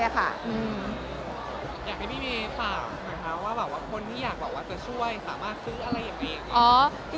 อยากให้พี่เมย์ฝากนะคะว่าคนที่อยากแบบว่าจะช่วยสามารถซื้ออะไรอย่างนี้